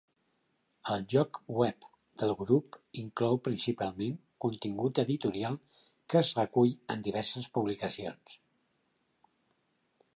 El lloc web del grup inclou principalment contingut editorial que es recull en diverses publicacions.